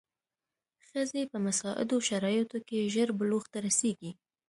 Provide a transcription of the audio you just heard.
ښځې په مساعدو شرایطو کې ژر بلوغ ته رسېږي.